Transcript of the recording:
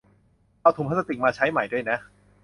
เอาถุงพลาสติกมาใช้ใหม่ด้วยนะ